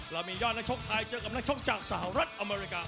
เรามียอดนักชกไทยเจอกับนักชกจากสหรัฐอเมริกา